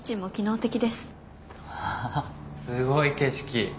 うわすごい景色。